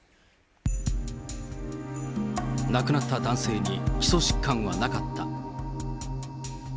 亡くなった男性に基礎疾患はなかった。